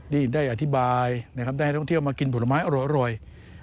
ได้อธิบายนะครับได้ให้นักท่องเที่ยวมากินผลไม้อร่อย